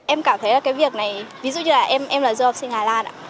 em cảm thấy là cái việc này ví dụ như là em là du học sinh hà lan